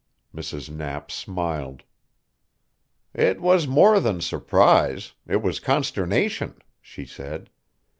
Mrs. Knapp smiled. "It was more than surprise it was consternation," she said.